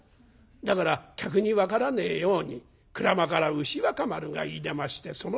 だから客に分からねえように『鞍馬から牛若丸がいでましてその名を九郎』。